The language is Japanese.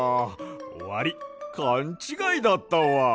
わりいかんちがいだったわ。